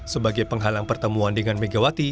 sebagai penghalang pertemuan dengan megawati